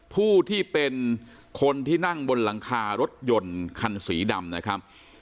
ผู้ที่เป็นคนที่นั่งบนหลังคารถยนต์คันสีดำนะครับ